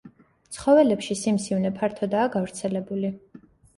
ცხოველებში სიმსივნე ფართოდაა გავრცელებული.